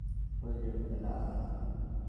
এটা বিয়ে, এটা কোন ডান্স প্রতিযোগিতা না!